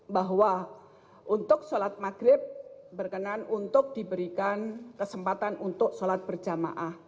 bahwa untuk sholat maghrib berkenan untuk diberikan kesempatan untuk sholat berjamaah